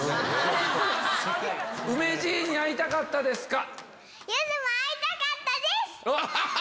梅じいに会いたかったですか？